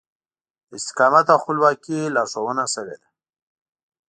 د استقامت او خپلواکي لارښوونه شوې ده.